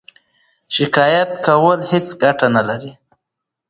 شکایت کول هیڅ ګټه نلري.